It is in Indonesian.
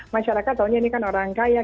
masyarakat tahunya ini kan orang kaya